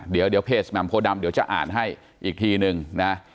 เดี๋ยวเพจแมนพโภดำจะอ่านให้อีกทีหนึ่งนะ